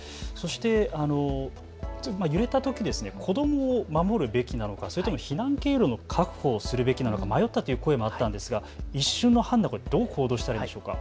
揺れたとき子どもを守るべきなのか、それとも避難経路の確保をするべきなのか迷うという声もあったんですが一瞬の判断、これはどう行動したらいいでしょうか。